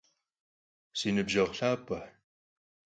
Si nıbjeğu lhap'e!